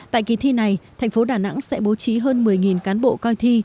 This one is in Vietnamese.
tại kỳ thi này thành phố đà nẵng sẽ bố trí hơn một mươi cán bộ coi thi